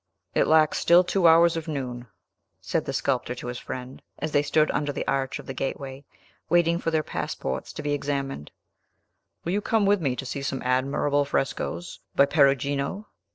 "It lacks still two hours of noon," said the sculptor to his friend, as they stood under the arch of the gateway, waiting for their passports to be examined; "will you come with me to see some admirable frescos by Perugino?